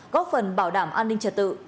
góp phần bảo đảm an ninh trật tự